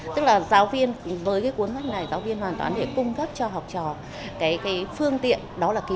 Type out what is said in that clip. tức là giáo viên với cái cuốn sách này giáo viên hoàn toàn để cung cấp cho học trò cái phương tiện đó là ký hiệu